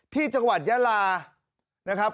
ที่จังหวัดยาลานะครับ